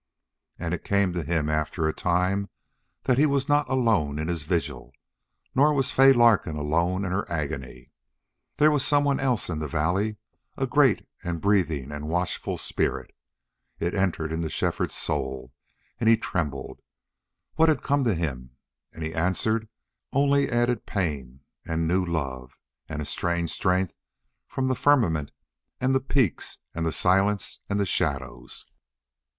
And it came to him after a time that he was not alone in his vigil, nor was Fay Larkin alone in her agony. There was some one else in the valley, a great and breathing and watchful spirit. It entered into Shefford's soul and he trembled. What had come to him? And he answered only added pain and new love, and a strange strength from the firmament and the peaks and the silence and the shadows.